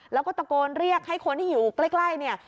แล้วก็ตะโกนเรียกให้คนที่อยู่ใกล้เนี่ย